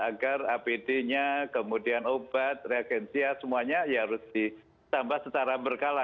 agar apd nya kemudian obat reagensia semuanya ya harus ditambah secara berkala